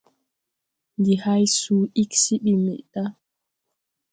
Ndi hay suu ig se ɓi meʼ ɗa.